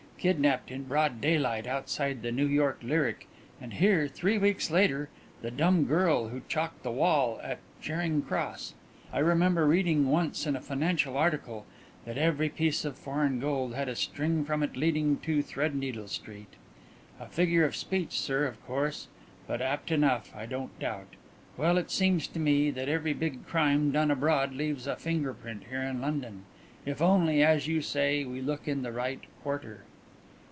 kidnapped in broad daylight outside the New York Lyric and here, three weeks later, the dumb girl who chalked the wall at Charing Cross. I remember reading once in a financial article that every piece of foreign gold had a string from it leading to Threadneedle Street. A figure of speech, sir, of course, but apt enough, I don't doubt. Well, it seems to me that every big crime done abroad leaves a finger print here in London if only, as you say, we look in the right quarter."